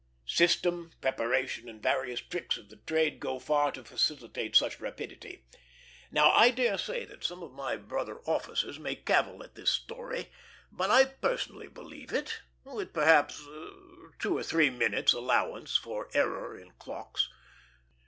System, preparation, and various tricks of the trade go far to facilitate such rapidity. Now I dare say that some of my brother officers may cavil at this story; but I personally believe it, with perhaps two or three minutes' allowance for error in clocks.